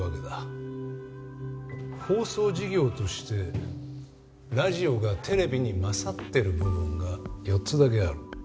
放送事業としてラジオがテレビに勝ってる部分が４つだけある。